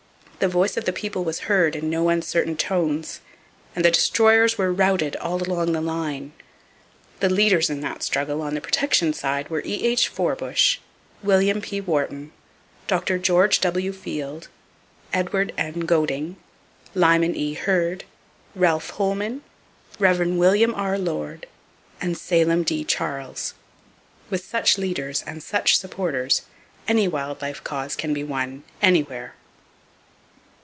The voice of the People was heard in no uncertain tones, and the Destroyers were routed all along the line. The leaders in that struggle on the protection side were E.H. Forbush, William P. Wharton, Dr. George W. Field, Edward N. Goding, Lyman E. Hurd, Ralph Holman, Rev. Wm. R. Lord and Salem D. Charles. With such leaders and such supporters, any wild life cause can be won, anywhere!